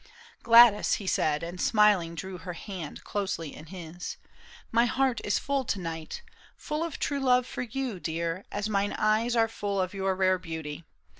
" Gladys," he said, and smiling drew her hand Closely in his ;" my heart is full to night, Full of true love for you, dear, as mine eyes Are full of your rare beauty.